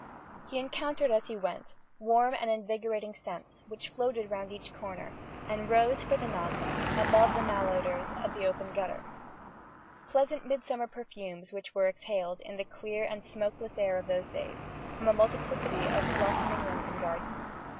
He encountered, as he went, warm and invigorating scents, which floated round each corner and rose, for the nonce, above the malodours of the open gutter pleasant midsummer perfumes which were exhaled, in the clear and smokeless air of those days, from a multiplicity of blossoming London gardens.